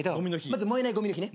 まず燃えないごみの日ね。